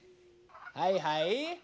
はいはい。